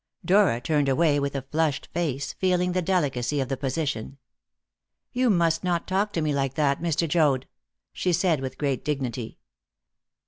Dora turned away with a flushed face, feeling the delicacy of the position. "You must not talk to me like that, Mr. Joad," she said with great dignity.